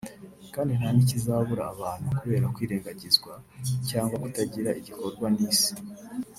kandi nta nikizabura abantu kubera kwirengagizwa cyangwa kutagira igikorwa n’Isi